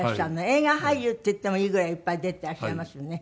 映画俳優って言ってもいいぐらいいっぱい出てらっしゃいますよね。